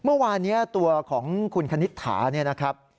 เมื่อวานนี้ตัวของคุณคณิตถาเนี่ยนะครับ